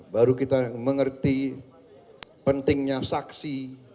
baru kita mengerti pentingnya saksi